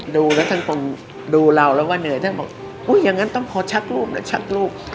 ดูแล้วท่านคงดูเราแล้วก็เหนื่อยท่านบอกอุ๊ยอย่างนั้นต้องพอชักรูปแล้วชักรูป